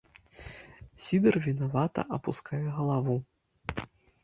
Сідар вінавата апускае галаву.